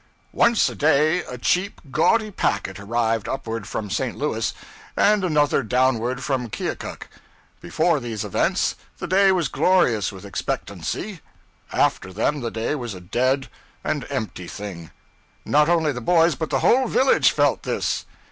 Once a day a cheap, gaudy packet arrived upward from St. Louis, and another downward from Keokuk. Before these events, the day was glorious with expectancy; after them, the day was a dead and empty thing. Not only the boys, but the whole village, felt this.